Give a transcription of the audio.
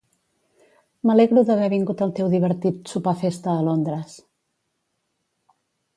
M'alegro d'haver vingut al teu divertit sopar-festa a Londres.